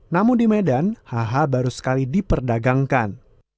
namun di medan hh baru sekali diperdagangkan